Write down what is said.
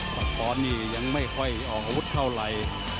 กลับสอกนี่ยังไม่ค่อยออกอาวุธเข้าไหล